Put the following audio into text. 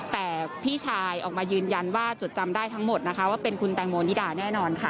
แต่พี่ชายออกมายืนยันว่าจดจำได้ทั้งหมดนะคะว่าเป็นคุณแตงโมนิดาแน่นอนค่ะ